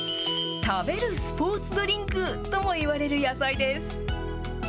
食べるスポーツドリンクともいわれる野菜です。